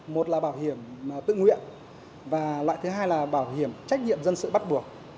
một là bảo hiểm tự nguyện và loại thứ hai là bảo hiểm trách nhiệm dân sự bắt buộc